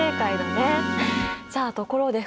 さあところで福君。